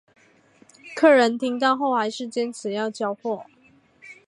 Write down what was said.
客人听到后还是坚持要交货